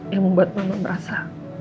yang membuat mama merasa